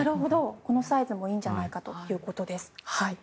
このサイズもいいんじゃないかということです。